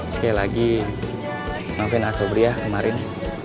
sekali lagi maafin asom reja kemarin